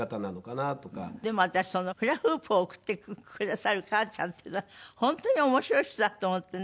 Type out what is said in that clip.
でも私フラフープを送ってくださる母ちゃんっていうのは本当に面白い人だと思ってね。